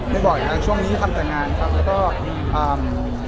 ไม่บ่อยครับช่วงนี้ทำแต่งานครับ